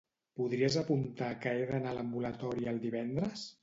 Podries apuntar que he d'anar a l'ambulatori el divendres?